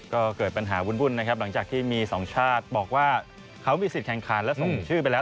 ก็เกิดปัญหาวุ่นนะครับหลังจากที่มีสองชาติบอกว่าเขามีสิทธิแข่งขันและส่งชื่อไปแล้ว